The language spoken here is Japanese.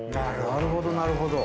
なるほど。